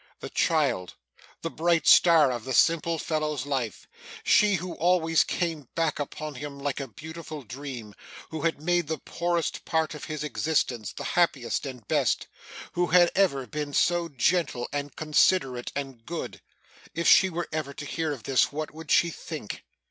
The child the bright star of the simple fellow's life she, who always came back upon him like a beautiful dream who had made the poorest part of his existence, the happiest and best who had ever been so gentle, and considerate, and good if she were ever to hear of this, what would she think!